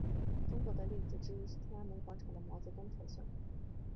中国的例子之一是天安门广场的毛泽东像。